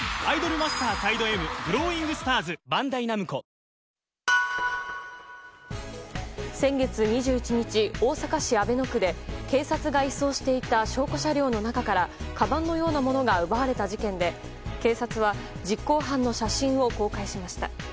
昨日も先月２１日、大阪市阿倍野区で警察が移送していた証拠車両の中からかばんのようなものが奪われた事件で、警察は実行犯の写真を公開しました。